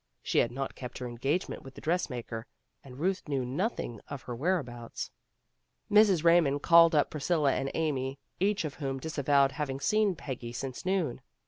She had not kept her engagement with the dressmaker, and Kuth knew nothing of her whereabouts. Mrs. Raymond called up Priscilla and Amy, each of whom disavowed having seen Peggy since noon.